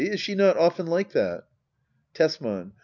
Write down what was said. Is she not often like that? Tesman.